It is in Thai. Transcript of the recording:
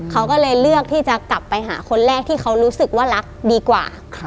เขาก็เลยเลือกที่จะกลับไปหาคนแรกที่เขารู้สึกว่ารักดีกว่า